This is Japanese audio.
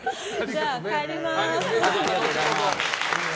じゃあ、帰ります。